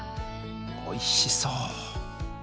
おいしそう。